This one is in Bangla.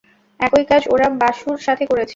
একই কাজ ওরা বাসুর সাথে করেছে।